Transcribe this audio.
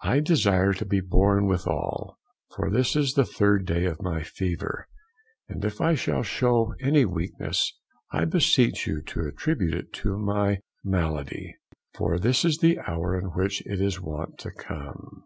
I desire to be borne withal, for this is the third day of my fever, and if I shall shew any weakness, I beseech you to attribute it to my malady, for this is the hour in which it is wont to come.